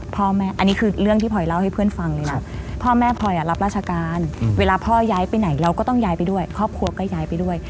พ่อแม่อันนี้คือเรื่องที่พลอยเล่าให้เพื่อนฟังเลยนะพ่อแม่พลอยรับราชการเวลาพ่อย้ายไปไหนเราก็ต้องย้ายไปด้วยครอบครัวก็ย้ายไปด้วย